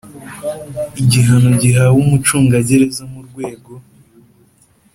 Igihano gihawe umucungagereza mu rwego